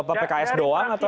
pks doang atau